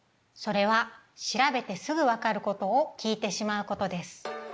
それは調べてすぐわかることを聞いてしまうことです。